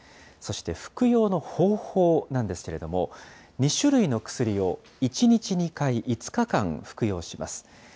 そして服用の方法なんですけれども、２種類の薬を１日２回、５日間服用します。